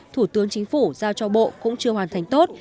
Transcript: thủ tướng chính phủ giao cho bộ cũng chưa hoàn thành tốt